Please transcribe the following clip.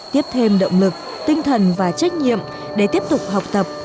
tiếp thêm động lực tinh thần và trách nhiệm để tiếp tục học tập